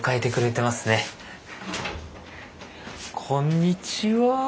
こんにちは。